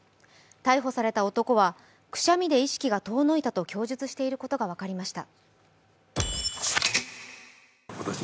逮捕された男はくしゃみで意識が遠のいたと供述していることが分かりました。